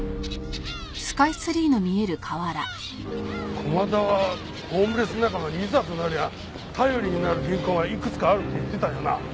駒田はホームレス仲間にいざとなりゃ頼りになる銀行がいくつかあるって言ってたよな。